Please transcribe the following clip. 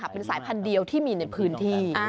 เป็นสายพันธุ์เดียวที่มีในพื้นที่